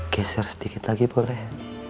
geser sedikit lagi boleh